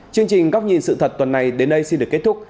chương trình góc nhìn sự thật tuần này đến đây xin được kết thúc